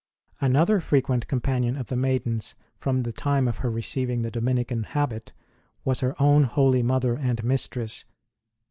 Another frequent companion of the maiden s from the time of her receiving the Dominican habit was her own holy mother and mistress.